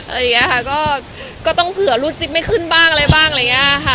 อะไรอย่างนี้ค่ะก็ต้องเผื่อรูดซิปไม่ขึ้นบ้างอะไรบ้างอะไรอย่างเงี้ยค่ะ